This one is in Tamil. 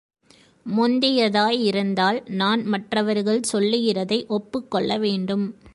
முந்தியதாயிருந்தால் நான் மற்றவர்கள் சொல்லுகிறதை ஒப்புக்கொள்ள வேண்டும்.